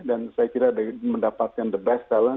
dan saya kira mendapatkan the best talent